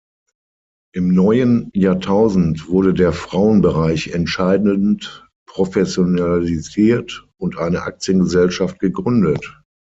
Im neuen Jahrtausend wurde der Frauenbereich entscheidend professionalisiert und eine Aktiengesellschaft gegründet.